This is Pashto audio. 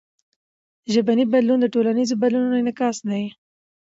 ژبنی بدلون د ټولنیزو بدلونونو انعکاس دئ.